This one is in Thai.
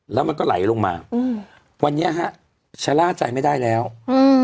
แล้วมันก็ไหลลงมาอืมวันนี้ฮะชะล่าใจไม่ได้แล้วอืม